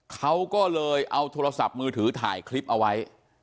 เขาก็เลยเอาโทรศัพท์มือถือถ่ายคลิปเอาไว้